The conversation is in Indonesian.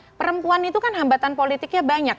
jadi kalau perempuan itu kan hambatan politiknya banyak